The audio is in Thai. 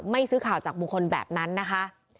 ซื้อข่าวจากบุคคลแบบนั้นนะคะ